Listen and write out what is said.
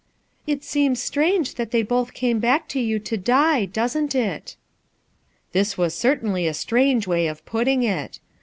"It seems strange that they both came back to you to die, doesn't it?" This was certainly a strange way of putting it